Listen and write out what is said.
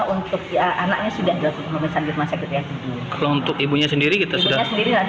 untuk ibu ibunya sendiri kita sudah